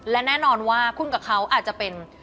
และแน่นอนว่าคุณกับเขาอาจจะเป็น